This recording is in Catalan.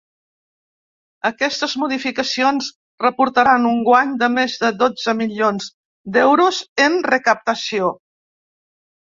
Aquestes modificacions reportaran un guany de més de dotze milions d’euros en recaptació.